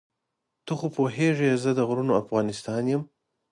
ته خو پوهېږې زه د غرونو افغانستان یم.